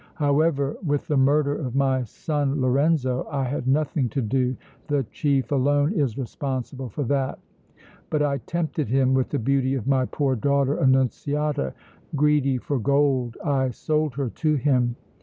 However, with the murder of my son Lorenzo I had nothing to do the chief alone is responsible for that! But I tempted him with the beauty of my poor daughter Annunziata! Greedy for gold I sold her to him!